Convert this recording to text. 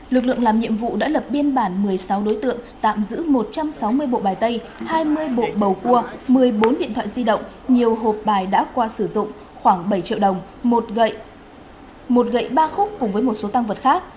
lực lượng làm nhiệm vụ đã lập biên bản một mươi sáu đối tượng tạm giữ một trăm sáu mươi bộ bài tay hai mươi bộ bầu cua một mươi bốn điện thoại di động nhiều hộp bài đã qua sử dụng khoảng bảy triệu đồng một gậy một gậy ba khúc cùng với một số tăng vật khác